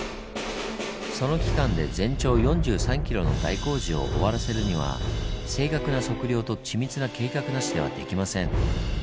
その期間で全長４３ｋｍの大工事を終わらせるには正確な測量と緻密な計画なしではできません。